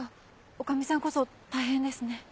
女将さんこそ大変ですね。